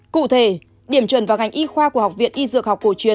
cụ thể điểm chuẩn vào ngành y khoa của học viện y dược học cổ truyền